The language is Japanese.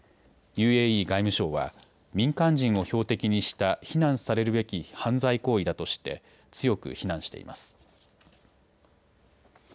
ＵＡＥ外務省は民間人を標的にした非難されるべき犯罪行為だとして強く非難しています。